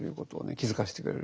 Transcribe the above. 気付かせてくれる。